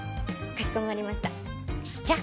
かしこまりました。